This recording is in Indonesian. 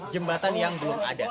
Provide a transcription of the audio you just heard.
jembatan yang belum ada